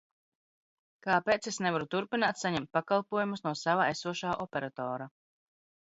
Kāpēc es nevaru turpināt saņemt pakalpojumus no sava esošā operatora?